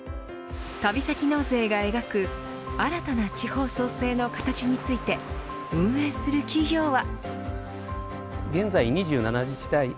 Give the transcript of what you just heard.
旅先納税が描く新たな地方創生の形について運営する企業は。